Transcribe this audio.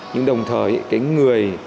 nhưng đồng thời cái người